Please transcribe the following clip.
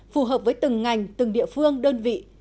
phù hợp với từng ngành từng địa phương đơn vị